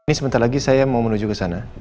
ini sebentar lagi saya mau menuju kesana